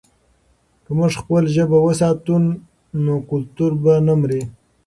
که موږ خپله ژبه وساتو، نو کلتور به نه مري.